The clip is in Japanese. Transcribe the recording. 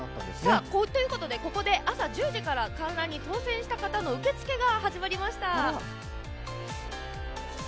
ここで朝１０時から観覧に当せんした人の受け付けが始まりました。